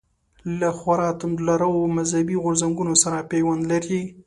له خورا توندلارو مذهبي غورځنګونو سره پیوند لري.